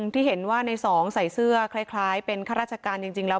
ที่เห็นว่าในสองใส่เสื้อคล้ายเป็นข้าราชการจริงแล้ว